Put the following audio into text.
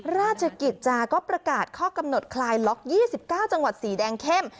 ราชกิจจาก็ประกาศข้อกำหนดคลายล็อก๒๙จังหวัดสีแดงเข้ม